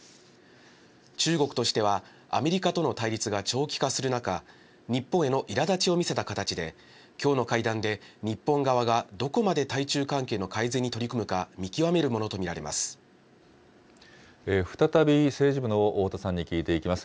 中国としてはアメリカとの対立が長期化する中、日本へのいらだちを見せた形で、きょうの会談で日本側がどこまで対中関係の改善に取り組むか、見再び政治部の太田さんに聞いていきます。